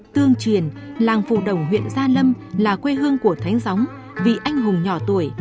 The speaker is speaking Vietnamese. tương truyền làng phù đồng huyện gia lâm là quê hương của thánh gióng vị anh hùng nhỏ tuổi